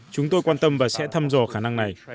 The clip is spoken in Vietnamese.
chúng tôi quan tâm và sẽ thăm dò khả năng này